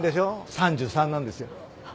３３なんですよ。